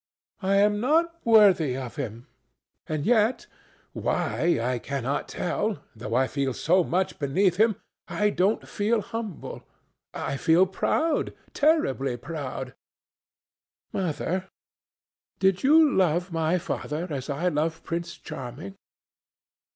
I am not worthy of him. And yet—why, I cannot tell—though I feel so much beneath him, I don't feel humble. I feel proud, terribly proud. Mother, did you love my father as I love Prince Charming?"